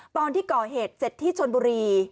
ตอนที่ก่อเหตุเสร็จที่ชนบุรี